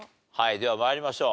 では参りましょう。